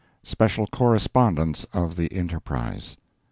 [SPECIAL CORRESPONDENCE OF THE ENTERPRISE.